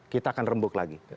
kita akan rembuk lagi